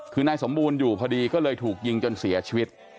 คือนายสมบูรณ์อยู่พอดีก็เลยถูกยิงจนเสียชีวิต